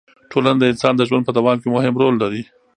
ټولنه د انسان د ژوند په دوام کې مهم رول لري.